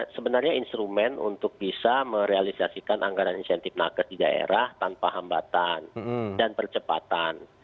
sebenarnya instrumen untuk bisa merealisasikan anggaran insentif nakes di daerah tanpa hambatan dan percepatan